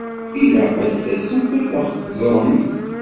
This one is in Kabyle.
Ilaq ad tasemt ad ɣ-teẓṛemt!